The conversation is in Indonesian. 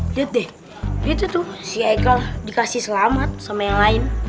lihat deh gitu tuh si ekel dikasih selamat sama yang lain